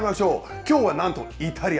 きょうはなんと、イタリア。